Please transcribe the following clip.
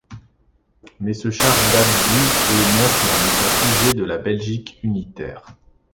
Mais ce char date du et montre un état figé de la Belgique unitaire.